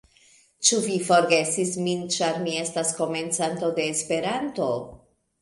Ĉu vi forgesis min, ĉar mi estas komencanto de Esperanto?